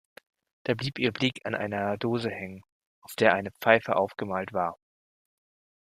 Da blieb ihr Blick an einer Dose hängen, auf der eine Pfeife aufgemalt war.